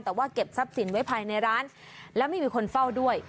แต่ว่าเก็บทรัพย์สินไว้ภายในร้านและไม่มีคนเฝ้าด้วย